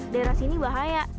daerah sini bahaya